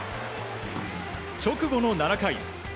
直後の７回。